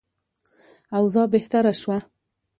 اوضاع بهتره شوه.